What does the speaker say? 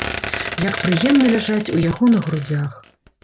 Як прыемна ляжаць у яго на грудзях!